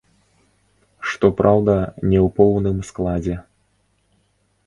Што праўда, не ў поўным складзе.